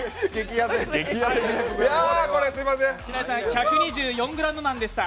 １２４ｇマンでした！